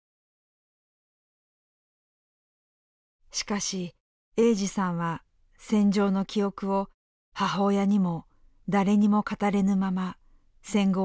しかし栄司さんは戦場の記憶を母親にも誰にも語れぬまま戦後を生きてきました。